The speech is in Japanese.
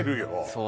そう